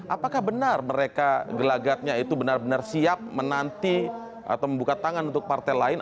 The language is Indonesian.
apakah benar mereka gelagatnya itu benar benar siap menanti atau membuka tangan untuk partai lain